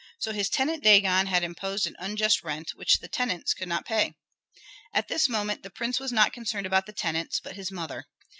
So his tenant Dagon had imposed an unjust rent which the tenants could not pay! At this moment the prince was not concerned about the tenants, but his mother.